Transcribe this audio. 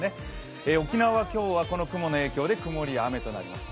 沖縄は今日はこの雲の影響で曇りや雨となります。